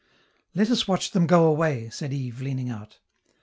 "Let us watch them go away!" said Yves, leaning out.